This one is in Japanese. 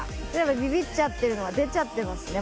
ビビっちゃってるのが出ちゃってますね